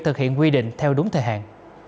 thực hiện quy định theo đúng thời hạn